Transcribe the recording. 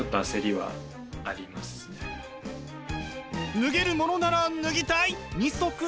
脱げるものなら脱ぎたい二足のわらじ。